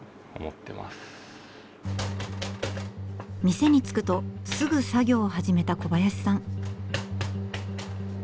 店に着くとすぐ作業を始めた小林さん。